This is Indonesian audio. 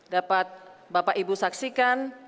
dapat bapak ibu saksikan